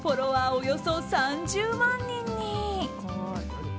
およそ３０万人に。